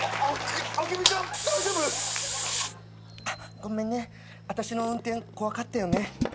ごめんね私の運転怖かったよね。